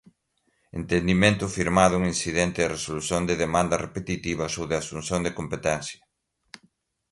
entendimento firmado em incidente de resolução de demandas repetitivas ou de assunção de competência